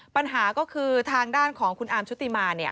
ปัญหาก็คือทางด้านของคุณอาร์มชุติมา